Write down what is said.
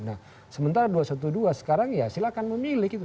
nah sementara dua ratus dua belas sekarang ya silahkan memilih gitu